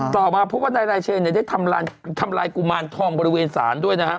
ต่อมาพบว่านายรายเชนได้ทำลายกุมารทองบริเวณศาลด้วยนะฮะ